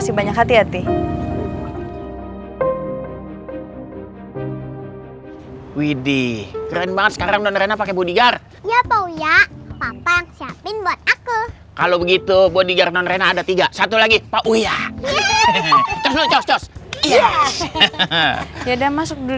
sayang kamu ingat sini buat aku